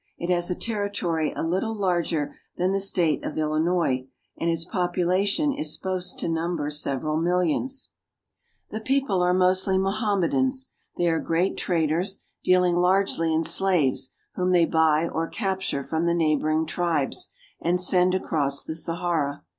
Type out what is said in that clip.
If has a ter ritory a little larger than the State of Illinois, and its population is supposed to number several millions. 1 68 AFRICA The people are mostly Mohammedans. They are great traders, dealing largely in slaves, whom they buy or cap ture from the neighboring tribes and send across the Sahara.